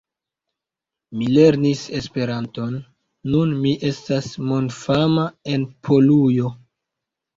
Mi lernis Esperanton, nun mi estas mondfama en Polujo.